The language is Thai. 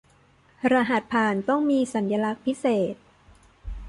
รหัสผ่านต้องมีสัญลักษณ์พิเศษ